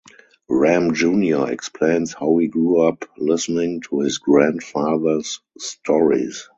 Ram Junior explains how he grew up listening to his grandfather's stories.